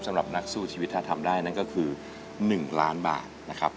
สำหรับนักสู้ชีวิตถ้าทำได้นั่นก็คือ๑ล้านบาทนะครับ